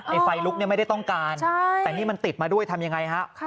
ไอ้ไฟลุกไม่ได้ต้องการแต่นี่มันติดมาด้วยทำยังไงครับ